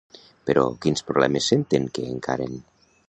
Però, quins problemes senten que encaren?